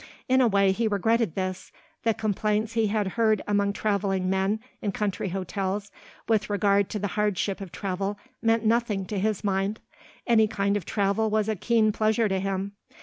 In a way he regretted this. The complaints he had heard among travelling men in country hotels with regard to the hardship of travel meant nothing to his mind. Any kind of travel was a keen pleasure to him.